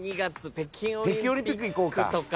北京オリンピックいこうか。